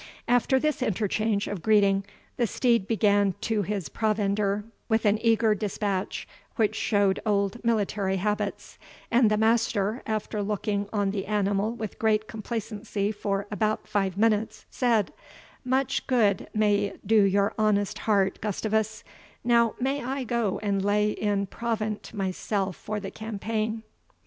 After this interchange of greeting, the steed began to his provender with an eager dispatch, which showed old military habits; and the master, after looking on the animal with great complacency for about five minutes, said, "Much good may it do your honest heart, Gustavus; now must I go and lay in provant myself for the campaign."